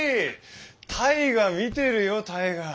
大河見てるよ大河。